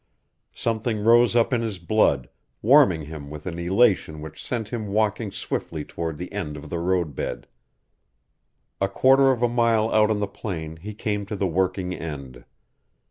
Something rose up in his blood, warming him with an elation which sent him walking swiftly toward the end of the road bed. A quarter of a mile out on the plain he came to the working end.